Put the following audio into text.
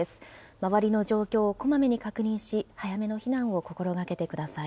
周りの状況をこまめに確認し、早めの避難を心がけてください。